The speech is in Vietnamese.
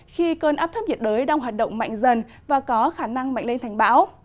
khi cơn áp thấp nhiệt đới đang hoạt động mạnh dần và có khả năng mạnh lên thành bão